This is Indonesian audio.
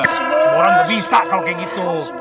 semua orang gak bisa kalau kayak gitu